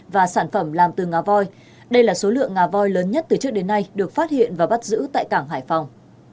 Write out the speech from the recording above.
và sản phẩm làm từ ngà voi đây là số lượng ngà voi lớn nhất từ trước đến nay được phát hiện và bắt giữ tại cảng hải phòng